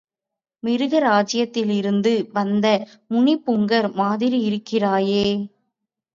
மிருக ராஜ்யத்திலிருந்து வந்த முனிபுங்கவர் மாதிரியிருக்கிறாயே!